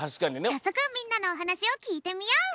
さっそくみんなのおはなしをきいてみよう。